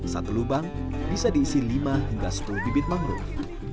satu lubang bisa diisi lima hingga sepuluh bibit mangrove